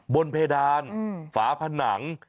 เพดานฝาผนัง